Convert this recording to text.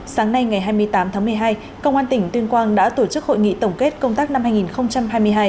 sáng nay ngày hai mươi tám tháng một mươi hai công an tỉnh tuyên quang đã tổ chức hội nghị tổng kết công tác năm hai nghìn hai mươi hai